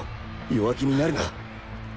弱気になるな